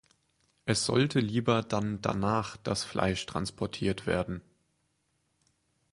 Es sollte lieber dann danach das Fleisch transportiert werden.